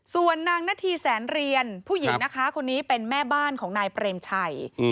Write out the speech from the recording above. ส่วนนางนาธีแสนเรียนผู้หญิงนะคะคนนี้เป็นแม่บ้านของนายเปรมชัย